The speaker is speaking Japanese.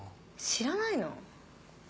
知らないの？